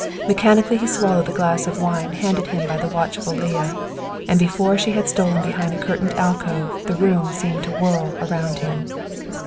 Mechanically he swallowed the glass of wine handed him by the watchful Leah, and yet before she had stolen behind a curtained alcove the room seemed to whirl around him.